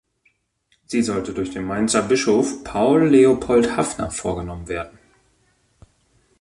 Sie sollte durch den Mainzer Bischof, Paul Leopold Haffner, vorgenommen werden.